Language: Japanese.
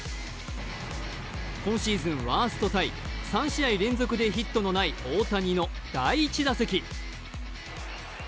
今シーズンワーストタイ３試合連続でヒットのない大谷の第１打席。